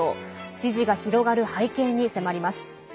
支持が広がる背景に迫ります。